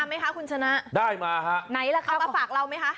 ไหมคะคุณชนะได้มาฮะไหนล่ะคะเอามาฝากเราไหมคะ